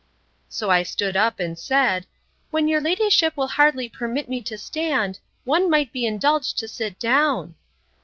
So I stood up, and said, When your ladyship will hardly permit me to stand, one might be indulged to sit down.